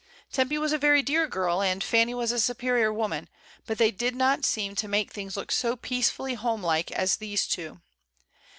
Tempy was a very dear girl, and Fanny was a very superior woman; but they did not seem to make things look so peace fully home like as these two.